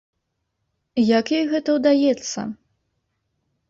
Як ёй гэта ўдаецца?